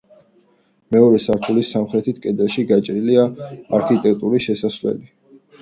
მეორე სართულის სამხრეთ კედელში გაჭრილია არქიტრავული შესასვლელი.